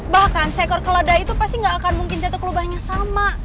bahkan seekor keleda itu pasti nggak akan mungkin jatuh kelubahnya sama